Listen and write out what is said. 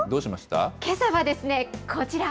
けさはですね、こちら。